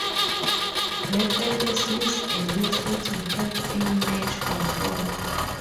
Referees use a whistle to help in match control.